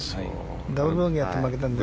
ダブルボギーをやって負けたんだよね。